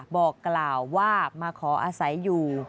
บอกกล่าวว่ามาขออาศัยอยู่